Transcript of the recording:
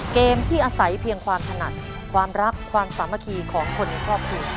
เกมที่อาศัยเพียงความถนัดความรักความสามัคคีของคนในครอบครัว